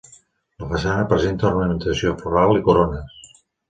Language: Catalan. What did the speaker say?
La façana presenta ornamentació floral i corones.